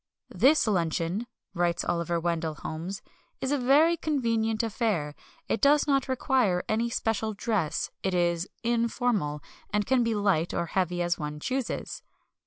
"This luncheon," writes Oliver Wendell Holmes, "is a very convenient affair; it does not require any special dress; it is informal; and can be light or heavy as one chooses."